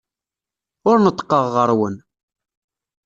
Ur neṭṭqeɣ ɣer-wen.